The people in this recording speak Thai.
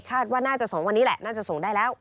ว่าน่าจะ๒วันนี้แหละน่าจะส่งได้แล้ว